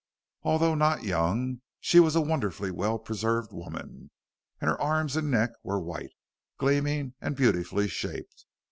Although not young, she was a wonderfully well preserved woman, and her arms and neck were white, gleaming and beautifully shaped.